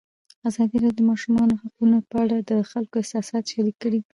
ازادي راډیو د د ماشومانو حقونه په اړه د خلکو احساسات شریک کړي.